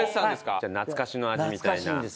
じゃあ懐かしの味みたいな。